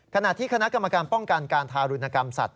ขณะที่คณะกรรมการป้องกันการทารุณกรรมสัตว